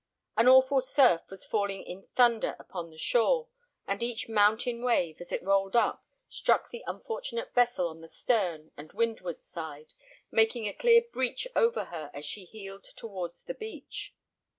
An awful surf was falling in thunder upon the shore; and each mountain wave, as it rolled up, struck the unfortunate vessel on the stern and windward side, making a clear breach over her as she heeled towards the beach.